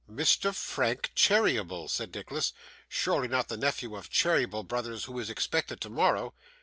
'Mr. Frank Cheeryble!' said Nicholas. 'Surely not the nephew of Cheeryble Brothers, who is expected tomorrow!